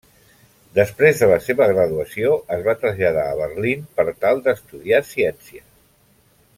Després de la seva graduació, es va traslladar a Berlín per tal d'estudiar ciències.